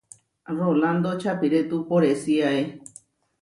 Rolando čapirétu poresíae.